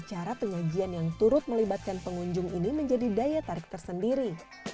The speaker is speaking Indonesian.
cara penyajian yang turut melibatkan pengunjung ini menjadi daya tarik tersendiri